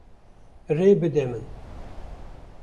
Rê bide min.